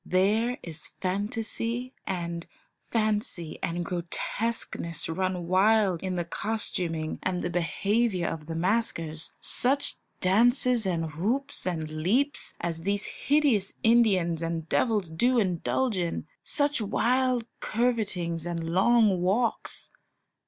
There is fantasy and fancy and grotesqueness run wild in the costuming and the behaviour of the maskers. Such dances and whoops and leaps as these hideous Indians and devils do indulge in; such wild curvetings and long walks!